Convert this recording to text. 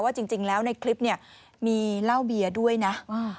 ว่าจริงแล้วในคลิปมีเหล้าเบียด้วยนะ